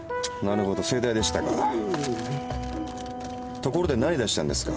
ところで何出したんですか？